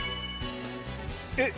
えっ。